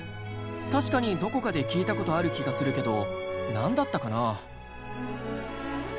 確かにどこかで聴いたことある気がするけどなんだったかな？